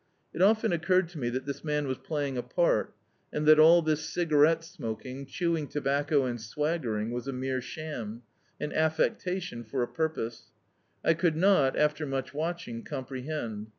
It often occurred to me that this man was playing a part, and that all this cigarette smoking, chewing tobacco and swaggering, was a mere sham; an af fectation for a purpose. I could not, after much watching, comprehend.